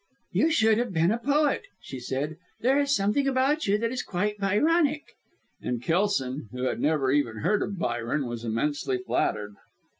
"You should have been a poet," she said. "There is something about you that is quite Byronic." And Kelson, who had never even heard of Byron, was immensely flattered.